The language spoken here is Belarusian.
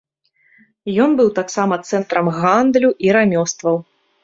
Ён быў таксама цэнтрам гандлю і рамёстваў.